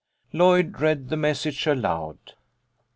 Lloyd read the message aloud.